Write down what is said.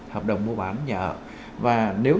hợp đồng mua bán nhà ở và nếu